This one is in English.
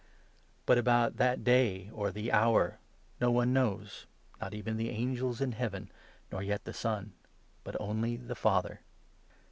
But about 'That Day, 'or 'The Hour,' no one knows — not even the angels in Heaven, nor yet the Son — but only the Father.